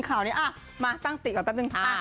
คราวนี้มาตั้งติกก่อนแปบนึงค่ะ